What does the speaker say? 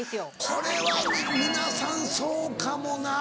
これは皆さんそうかもな。